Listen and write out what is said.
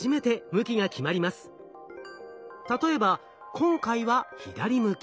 例えば今回は左向き。